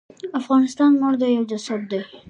افغانستان مړ دی یو جسد دی.